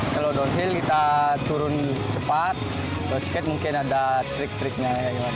kalau downhill kita turun cepat kalau skate mungkin ada trik triknya